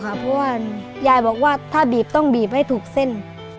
เพราะว่ายายบอกว่าถ้าบีบต้องบีบให้ถูกเส้น